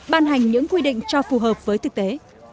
ban hành những quy định cho phù hợp với thực tế